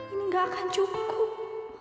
ini gak akan cukup